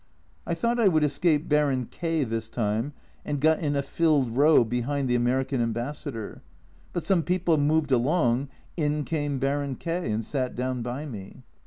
I thought I would escape Baron K this time, and got in a filled row behind the American Ambassador, but some people moved along in came Baron K and sat down by me